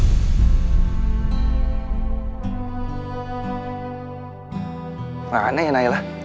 saya yang berkumpul dengan nailah